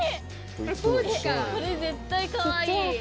これ絶対かわいい。